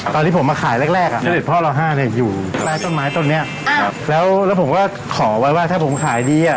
ตอนที่ผมมาขายแรกแรกอ่ะเสด็จพ่อเราห้าเนี่ยอยู่ใต้ต้นไม้ต้นเนี้ยครับแล้วแล้วผมก็ขอไว้ว่าถ้าผมขายดีอ่ะ